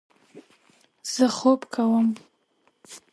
زه خوب کوم